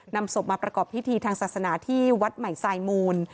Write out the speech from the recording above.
นำศพมาประกอบพิธีทางศาสนาที่วัดใหม่ทรายมูล